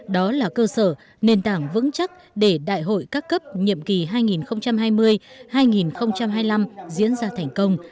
đó là cơ sở nền tảng vững chắc để đại hội các cấp nhiệm kỳ hai nghìn hai mươi hai nghìn hai mươi năm diễn ra thành công